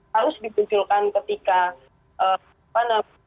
harus dimunculkan ketika